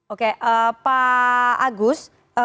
oke pak agus